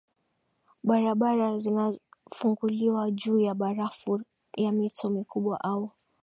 barabara zinafunguliwa juu ya barafu ya mito mikubwa au